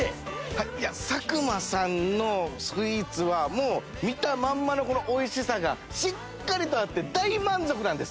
いや作間さんのスイーツはもう見たまんまの美味しさがしっかりとあって大満足なんです。